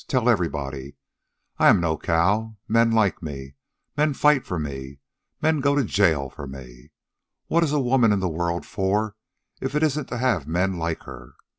Tell everybody. I am no cow. Men like me. Men fight for me. Men go to jail for me. What is a woman in the world for, if it isn't to have men like her?